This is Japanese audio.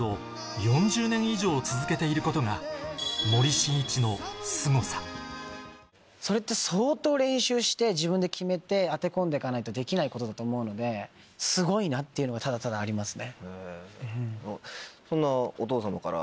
襟裳の春は毎回それって相当練習して自分で決めて当て込んで行かないとできないことだと思うのですごいなっていうのはただただありますね。